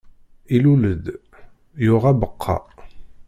Ilul-d, yuɣ abeqqa.